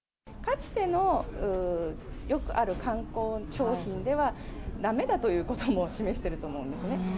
かつてのよくある観光商品ではだめだということも示してると思うんですね。